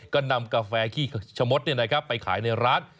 ก็นำกาแฟขี้ชะมดไปขายในร้าน